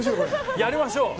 やりましょう。